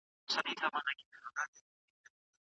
لښتې په خپلو باړخوګانو باندې د لمر ګرمي حس کړه.